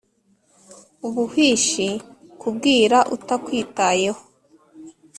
ubuhwishi, kubwira utakwitayeho